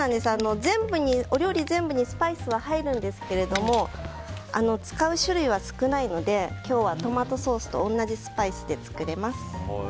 お料理全部にスパイスは入りますが使う種類は少ないので今日はトマトソースと同じスパイスで作れます。